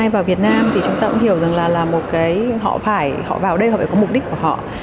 vào việt nam chúng ta cũng hiểu rằng họ phải vào đây có mục đích của họ